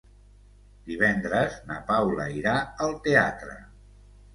Divendres na Paula irà al teatre.